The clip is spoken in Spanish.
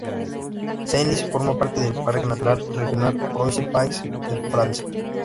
Senlis forma parte del parque natural regional Oise-Pays de France.